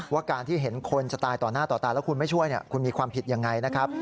ว่าการที่เห็นคนจะตายต่อหน้าต่อตาแล้วคุณไม่ช่วยคุณมีความผิดยังไงนะครับ